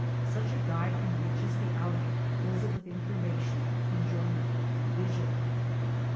Such a guide enriches the outing, fills it with information, enjoyment, and vision.